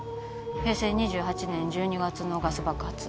平成２８年１２月のガス爆発